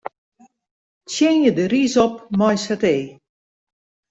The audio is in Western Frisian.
Tsjinje de rys op mei satee.